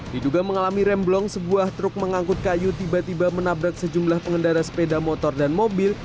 diduga mengalami remblong sebuah truk mengangkut kayu tiba tiba menabrak sejumlah pengendara sepeda motor dan mobil